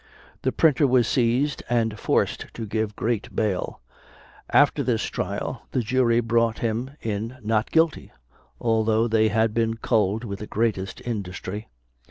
The printer was seized, and forced to give great bail: after this trial the jury brought him in not guilty, although they had been culled with the greatest industry.